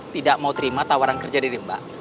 tidak mau terima tawaran kerja diri mbak